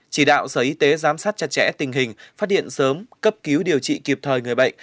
chỉ đạo sở y tế giám sát chặt chẽ tình hình phát hiện sớm cấp cứu điều trị kịp thời người bệnh